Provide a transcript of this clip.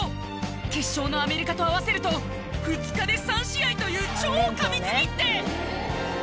決勝のアメリカと合わせると２日で３試合という超過密日程！